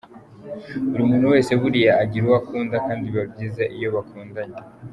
Buri muntu wese buriya agira uwo akunda kandi biba byiza iyo bakundanye.